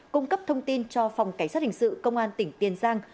cung cấp thông tin cho phòng cảnh sát hình sự công an tỉnh tiền giang